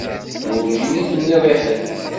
Werǧin i t-nniɣ i ḥedd.